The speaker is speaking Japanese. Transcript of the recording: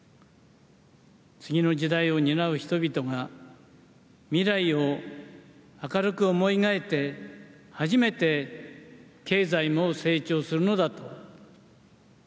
次の時代を担う人々が未来を明るく思い描いて初めて経済も成長するのだと。